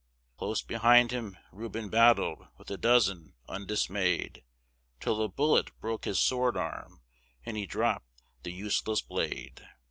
Close behind him Reuben battled with a dozen, undismayed, Till a bullet broke his sword arm, and he dropped the useless blade.